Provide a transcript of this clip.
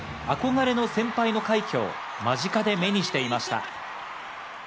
憧れの先輩の快挙を間近で目にしていました。